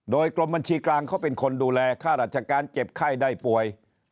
โดยกรมบัญชีกลางเขาเป็นคนดูแลค่าราชการเจ็บไข้ได้ป่วย